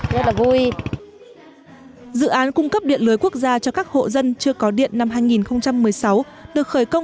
rất là vôi dự án cung cấp điện lưới quốc gia cho các hộ dân chưa có điện năm hai nghìn một mươi sáu được khởi công